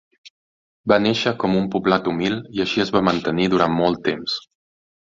Va néixer com un poblat humil i així es va mantenir durant molt temps.